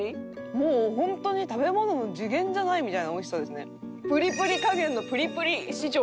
もうホントに食べ物の次元じゃないみたいな美味しさですね。